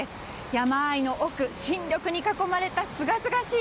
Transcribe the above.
山あいの奥、新緑に囲まれたすがすがしい